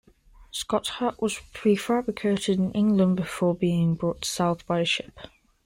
Scott's Hut was prefabricated in England before being brought south by ship.